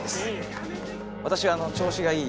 私は調子がいい